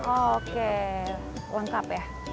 oke lengkap ya